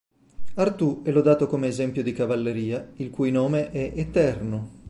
Artù è lodato come esempio di cavalleria il cui nome è eterno.